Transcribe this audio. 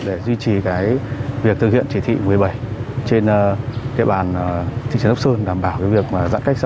để duy trì cái việc thực hiện chỉ thị một mươi bảy trên địa bàn thị trấn úc sơn đảm bảo cái việc giãn cách xã hội